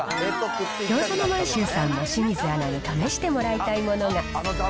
ぎょうざの満洲さんも清水アナに試してもらいたいものが。